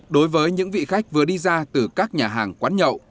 đối với những vị khách vừa đi ra từ các nhà hàng quán nhậu